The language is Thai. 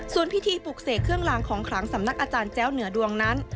ส่วนพิธีปลูกเสกเครื่องลางของขลังสำนักอาจารย์แจ้วเหนือดวงนั้น